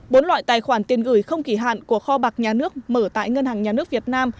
bốn loại tài khoản tiền gửi không kỳ hạn của kho bạc nhà nước mở tại ngân hàng nhà nước việt nam